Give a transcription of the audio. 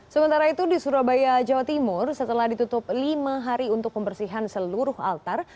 sementara itu di surabaya jawa timur setelah ditutup lima hari untuk pembersihan seluruh altar